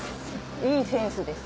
いいセンスです。